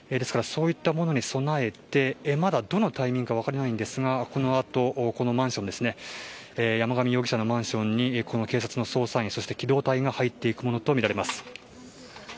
そういったものに備えてまだ、どのタイミングかは分からないんですが、このあと山上容疑者のマンションに警察の捜査員、機動隊が入っていくものと見られます。